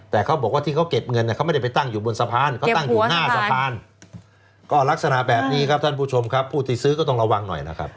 แต่เขาบอกว่าที่เขาเก็บเงินเนี่ยเขาไม่ได้ไปตั้งอยู่บนสะพานเขาตั้งอยู่หน้าสะพานก็ลักษณะแบบนี้ครับท่านผู้ชมครับผู้ที่ซื้อก็ต้องระวังหน่อยนะครับ